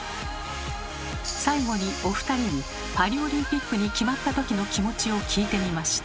最後にお二人にパリオリンピックに決まったときの気持ちを聞いてみました。